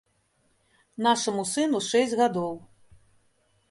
Нашаму сыну шэсць гадоў.